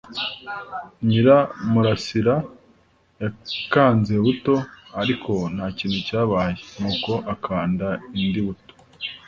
Nyiramurasira yakanze buto, ariko ntakintu cyabaye, nuko akanda indi buto.